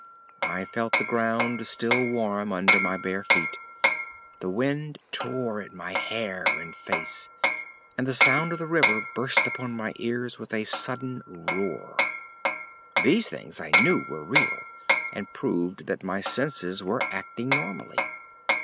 I felt the ground still warm under my bare feet; the wind tore at my hair and face; and the sound of the river burst upon my ears with a sudden roar. These things, I knew, were real, and proved that my senses were acting normally.